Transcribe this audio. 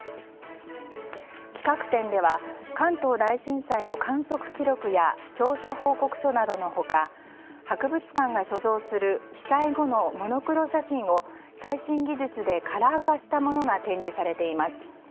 企画展では関東大震災の観測記録や調査報告書などの他博物館が所蔵する被災後のモノクロ写真を最新技術でカラー化したものが展示されています。